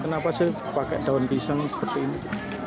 kenapa sih pakai daun pisang seperti ini